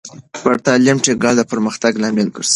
پر تعلیم ټینګار د پرمختګ لامل ګرځي.